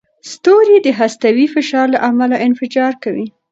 ستوري د هستوي فشار له امله انفجار کوي.